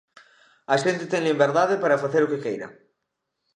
A xente ten liberdade para facer o que queira.